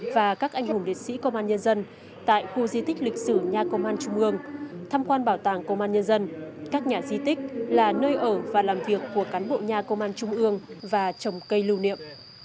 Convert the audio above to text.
và các anh hùng liệt sĩ công an nhân dân tại khu di tích lịch sử nhà công an trung ương tham quan bảo tàng công an nhân dân các nhà di tích là nơi ở và làm việc của cán bộ nhà công an trung ương và trồng cây lưu niệm